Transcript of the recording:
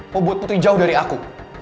poput putri jauh dari aku